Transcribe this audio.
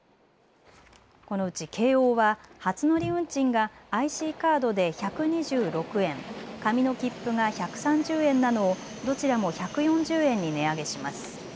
このうち京王は初乗り運賃がＩＣカードで１２６円、紙の切符が１３０円なのをどちらも１４０円に値上げします。